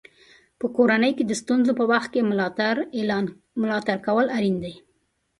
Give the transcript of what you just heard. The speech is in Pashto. په کورنۍ کې د ستونزو په وخت کې ملاتړ کول اړین دي.